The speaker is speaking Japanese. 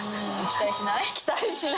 期待しない。